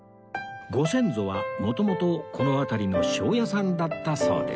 ご先祖は元々この辺りの庄屋さんだったそうです